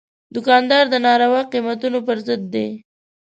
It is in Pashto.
دوکاندار د ناروا قیمتونو پر ضد دی.